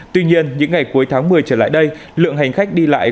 tuy nhiên những ngày cuối tháng một mươi trở lại đây lượng hành khách đi lại